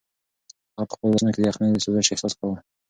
هغه په خپلو لاسو کې د یخنۍ د سوزش احساس کاوه.